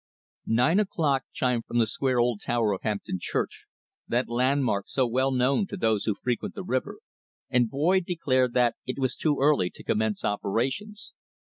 Nine o'clock chimed from the square old tower of Hampton Church, that landmark so well known to those who frequent the river, and Boyd declared that it was too early to commence operations.